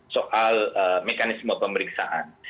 soal mekanisme pemeriksaan